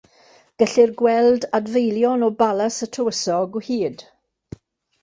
Gellir gweld adfeilion o Balas y Tywysog o hyd.